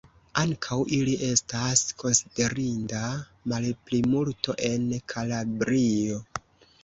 Ankaŭ ili estas konsiderinda malplimulto en Kalabrio.